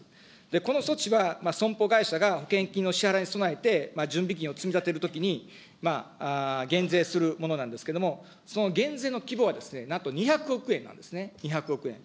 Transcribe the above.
この措置は損保会社が保険金の支払いに備えて準備金を積み立てるときに、減税するものなんですけれども、その減税の規模はですね、なんと２００億円なんですね、２００億円。